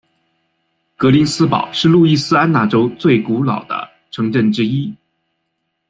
格林斯堡是路易斯安那州最古老的城镇之一。